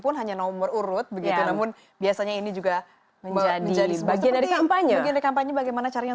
pemilihan umum di kpud kabupaten bekasi